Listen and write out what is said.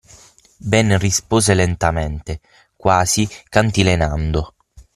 Ben rispose lentamente, quasi cantilenando.